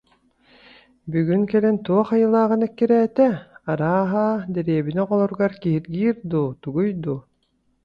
«Бүгүн кэлэн туох айылааҕын эккирээтэ, арааһа, дэриэбинэ оҕолоругар киһиргиир дуу, тугуй дуу»